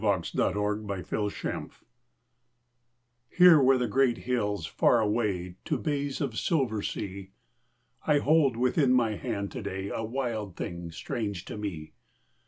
Heath from the Highlands Here, where the great hills fall away To bays of silver sea, I hold within my hand to day A wild thing, strange to me.